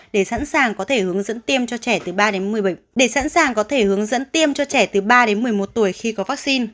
để sẵn sàng có thể hướng dẫn tiêm cho trẻ từ ba đến một mươi một tuổi khi có vaccine